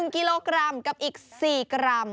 ๑กิโลกรัมกับอีก๔กรัม